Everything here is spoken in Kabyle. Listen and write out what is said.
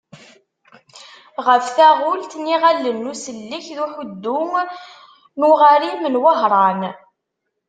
Ɣef talɣut n yiɣallen n usellek d uḥuddu n uɣarim n Wehran.